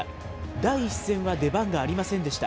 第１戦は出番がありませんでした。